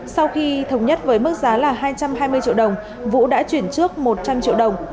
sau khi thống nhất với mức giá là hai trăm hai mươi triệu đồng vũ đã chuyển trước một trăm linh triệu đồng